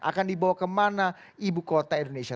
akan dibawa kemana ibu kota indonesia